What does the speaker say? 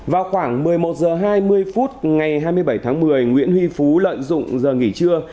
vào khoảng một mươi một h hai mươi phút ngày hai mươi bảy tháng một mươi nguyễn huy phú lợi dụng giờ nghỉ trưa